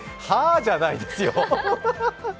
「はぁ」じゃないですよ！